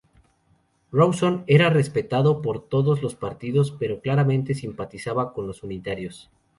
Rawson era respetado por todos los partidos, pero claramente simpatizaba con los unitarios.